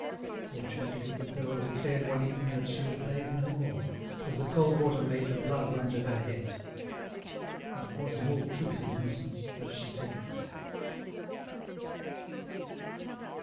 Fortunately, the girl declared one evening that she would bathe no more, as the cold water made the blood run to her head. And it was in all truth and innocence that she said this.